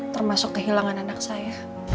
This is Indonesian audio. termasuk kehilangan anak saya